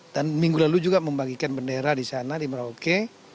dan minggu lalu juga membagikan bendera di sana di merauke